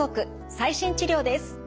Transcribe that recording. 最新治療です。